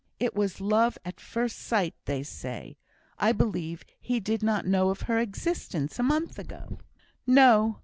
It was love at first sight, they say. I believe he did not know of her existence a month ago." "No!